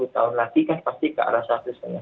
sepuluh tahun lagi kan pasti ke arah